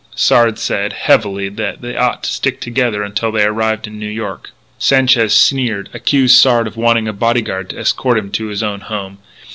Sard said, heavily, that they ought to stick together until they arrived in New York. Sanchez sneered, accusing Sard of wanting a bodyguard to escort him to his own home.